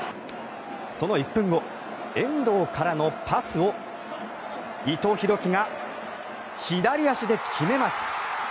その１分後、遠藤からのパスを伊藤洋輝が左足で決めます。